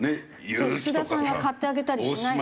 それ須田さんが買ってあげたりしない？